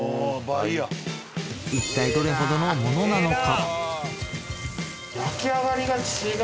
一体どれほどのものなのか？